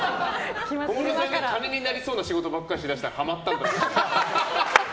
金になりそうな仕事ばっかりしだしたらハマったんだって。